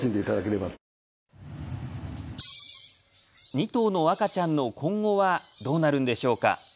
２頭の赤ちゃんの今後はどうなるんでしょうか。